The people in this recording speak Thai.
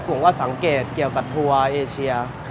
ผมก็สังเกตเกี่ยวกับทัวร์เอเชีย